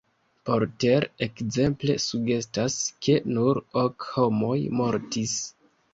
Porter ekzemple sugestas, ke nur ok homoj mortis.